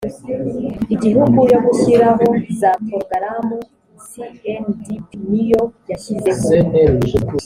igihugu yo gushyiraho za porogaramu cndp ni yo yashyizeho